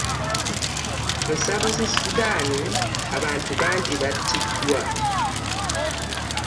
Mu South Sudan abantu bangi batidwa.